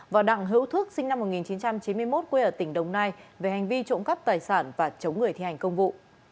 và đặng hữu thước sinh năm một nghìn chín trăm chín mươi một quê ở tỉnh đồng nai về hành vi trộm cắp tài sản và chống người thi hành công vụ